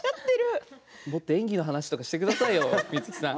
もっと演技の話とかしてくださいよ、観月さん。